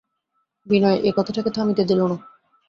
বিনয় এই কথাটকে থামিতে দিল না।